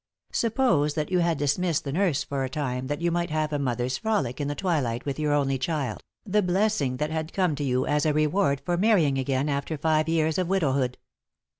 Suppose that you had dismissed the nurse for a time that you might have a mother's frolic in the twilight with your only child, the blessing that had come to you as a reward for marrying again after five years of widowhood.